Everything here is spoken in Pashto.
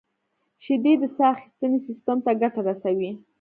• شیدې د ساه اخیستنې سیستم ته ګټه رسوي.